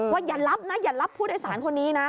อย่ารับนะอย่ารับผู้โดยสารคนนี้นะ